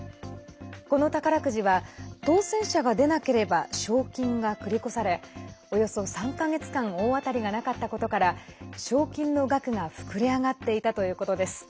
この宝くじは当せん者が出なければ賞金が繰り越されおよそ３か月間大当たりがなかったことから賞金の額が膨れ上がっていたということです。